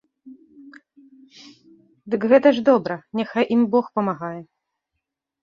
Дык гэта ж добра, няхай ім бог памагае.